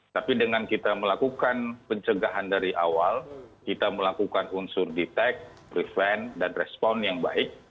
tapi dengan kita melakukan pencegahan dari awal kita melakukan unsur detect prevent dan respon yang baik